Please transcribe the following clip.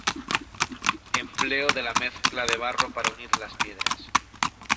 Empleo de la mezcla de barro para unir las piedras.